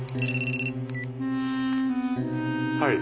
はい。